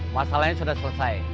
masalahnya sudah selesai